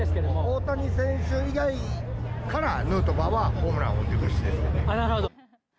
大谷選手以外からヌートバーはホームランを打ってほしいですなるほど。